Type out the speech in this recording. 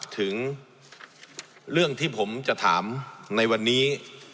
ถึงเรื่องที่ผมจะถามในวันนี้